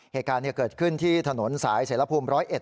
เหตุการณ์เกิดขึ้นที่ถนนสายเสรภูมิ๑๐๑